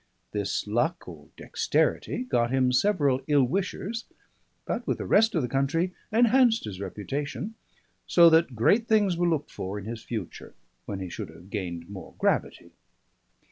This luck or dexterity got him several ill wishers, but with the rest of the country enhanced his reputation; so that great things were looked for in his future, when he should have gained more gravity.